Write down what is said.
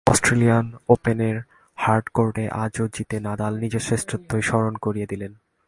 Australian ওপেনের hard কোর্টে আজও জিতে নাদাল নিজের শ্রেষ্ঠত্বই স্মরণ করিয়ে দিলেন।